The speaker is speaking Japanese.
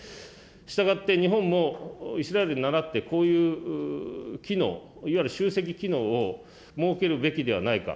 従って、日本もイスラエルにならって、こういう機能、いわゆる集積機能を設けるべきではないか。